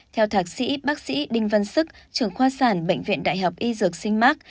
theo thạc sĩ bác sĩ đinh văn sức trưởng khoa sản bệnh viện đại học y dược sinh mark